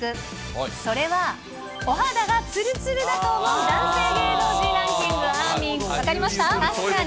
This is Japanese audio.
それは、お肌がツルツルだと思う男性芸能人ランキング、あーみん、分かり確かに。